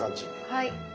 はい。